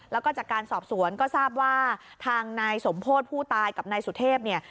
แล้วก็จากการสอบสวนก็ทราบว่าทางนายสมโพธิผู้ตายกับนายสุเทพเนี่ย